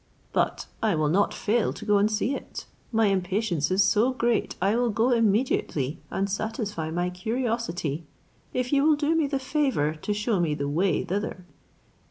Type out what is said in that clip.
But I will not fail to go and see it; my impatience is so great, I will go immediately and satisfy my curiosity, if you will do me the favour to shew me the way thither."